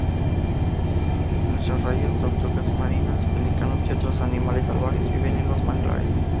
Muchas rayas, tortugas marinas, pelícanos y otros animales salvajes viven en los manglares.